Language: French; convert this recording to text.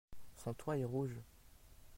Son toît est rouge.